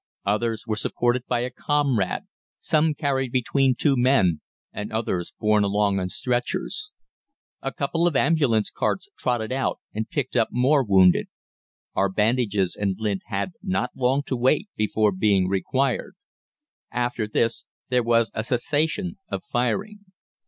Others were supported by a comrade, some carried between two men, and others borne along on stretchers. A couple of ambulance carts trotted out and picked up more wounded. Our bandages and lint had not long to wait before being required. After this there was a cessation of firing.